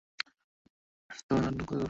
যখন বার্তা লইতে বিলম্ব হয়, তখন আরও কত দূর!